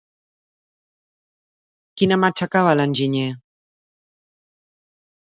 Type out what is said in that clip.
Quina mà aixecava l'enginyer?